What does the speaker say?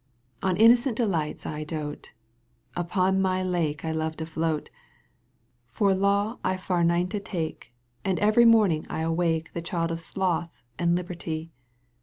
On innocent delights I dote. Upon my lake I love to float. For law I far niente take And every morning I awake \The child of sloth and liberty.